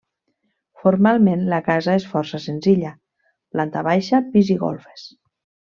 Formalment la casa és força senzilla: planta baixa, pis i golfes.